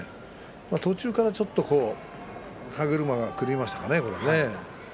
途中からちょっと歯車が狂いましたかね。